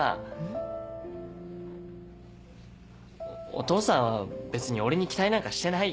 お父さんは別に俺に期待なんかしてないよ。